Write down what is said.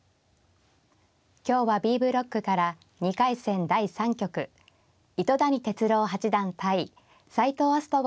今日はＢブロックから２回戦第３局糸谷哲郎八段対斎藤明日斗